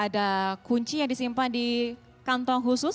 ada kunci yang disimpan di kantong khusus